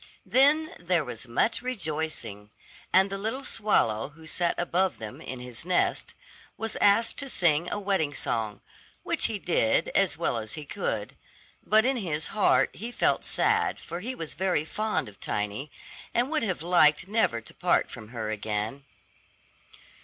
Then there was much rejoicing, and the little swallow who sat above them, in his nest, was asked to sing a wedding song, which he did as well as he could; but in his heart he felt sad for he was very fond of Tiny, and would have liked never to part from her again.